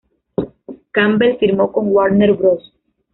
Campbell firmó con Warner Bros.